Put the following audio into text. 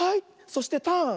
そしてターン！